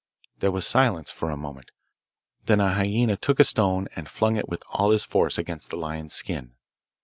There was silence for a moment; then a hyaena took a stone, and flung it with all his force against the lion's skin.